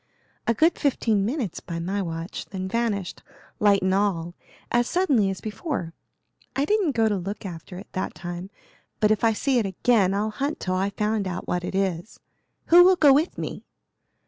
"A good fifteen minutes by my watch, then vanished, light and all, as suddenly as before. I didn't go to look after it that time, but if I see it again I'll hunt till I find out what it is. Who will go with me?"